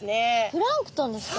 プランクトンですか？